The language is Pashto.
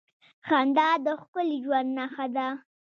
• خندا د ښکلي ژوند نښه ده.